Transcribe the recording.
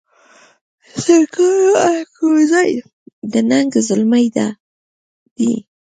سرکاڼو الکوزي د ننګ زلمي دي